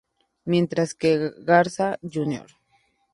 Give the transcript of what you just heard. Mientras que Garza Jr.